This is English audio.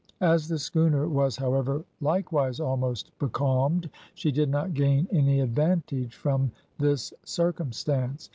As the schooner was, however, likewise almost becalmed she did not gain any advantage from this circumstance.